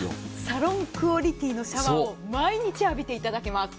サロンクオリティーのシャワーを毎日浴びていただけます。